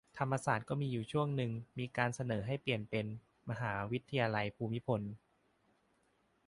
ธรรมศาสตร์ก็มีอยู่ช่วงนึง มีการเสนอให้เปลี่ยนเป็น "มหาวิทยาลัยภูมิพล"